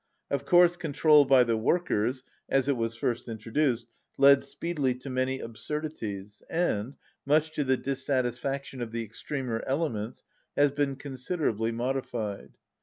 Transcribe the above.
Of course control by the workers, as it was first introduced, led speedily to many absurdities and, much to the dissatisfaction of the extremer ele ments, has been considerably modified.